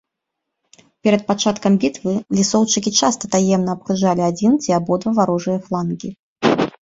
Перад пачаткам бітвы лісоўчыкі часта таемна абкружалі адзін ці абодва варожыя флангі.